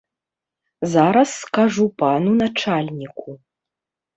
Зараз скажу пану начальніку.